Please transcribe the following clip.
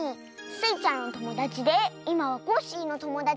スイちゃんのともだちでいまはコッシーのともだちでもあります。